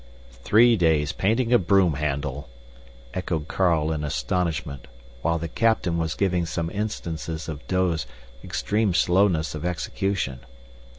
"Three days painting a broom handle!" echoed Carl in astonishment, while the captain was giving some instances of Douw's extreme slowness of execution.